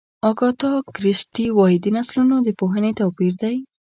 اګاتا کریسټي وایي د نسلونو د پوهې توپیر دی.